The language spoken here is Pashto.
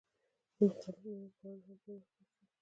د مختلفو میوو پالنه هم په دې وخت کې وشوه.